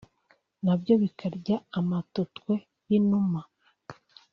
nabyo bikarya amatotwe y’inuma